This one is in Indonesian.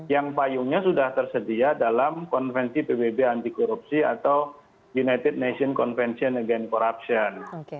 yang payungnya sudah tersedia dalam konvensi pbb anti korupsi atau united nations convention again corruption